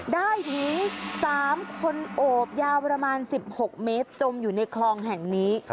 ได้หญิง๓คนโอบยาวประมาณ๑๖เมตรจมอยู่ในคลองแห่งนี้